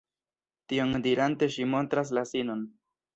Tion dirante ŝi montras la sinon.